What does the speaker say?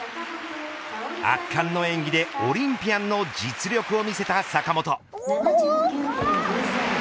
圧巻の演技でオリンピアンの実力を見せた坂本。